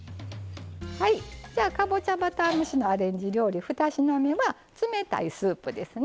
かぼちゃバター蒸しのアレンジ料理二品目は、冷たいスープですね。